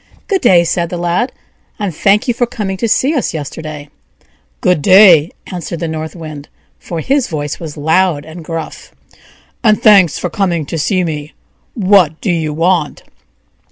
"Good day!" said the Lad, "and thank you for coming to see us yesterday." "GOOD DAY!" answered the North Wind, for his voice was loud and gruff, "AND THANKS FOR COMING TO SEE ME. WHAT DO YOU WANT?"